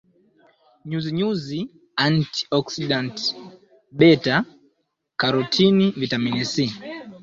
nyuzinyuzi anti oksidanti beta karotini vitamini c